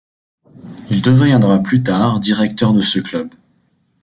Il deviendra plus tard directeur de ce club.